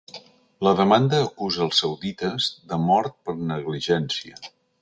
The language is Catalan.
La demanda acusa els saudites de mort per negligència.